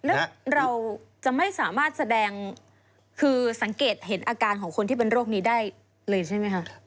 แล้วเราจะไม่สามารถแสดงคือสังเกตเห็นอาการของคนที่เป็นโรคนี้ได้เลยใช่ไหมคะ